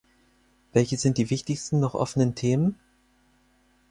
Welches sind die wichtigsten noch offenen Themen?